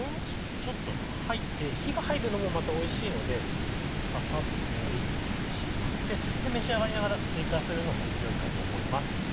ちょっと入って火が入るのもまたおいしいのでバサっと盛り付けてしまって召し上がりながら追加するのも良いかと思います。